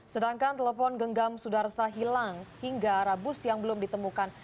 sedangkan telepon genggam sudarsa hilang hingga rabu siang belum ditemukan